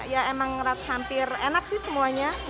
ya emang hampir enak sih semuanya